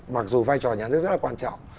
mặc dù vai trò nhà nước rất là quan trọng